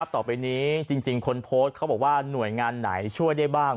ต่อไปนี้จริงคนโพสต์เขาบอกว่าหน่วยงานไหนช่วยได้บ้าง